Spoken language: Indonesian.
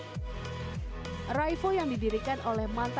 arrival yang didirikan oleh jawa dan sumatera